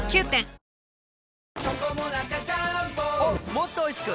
もっとおいしく！